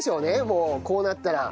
もうこうなったら。